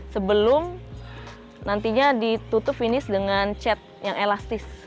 sebelum nantinya ditutup finish dengan chat yang elastis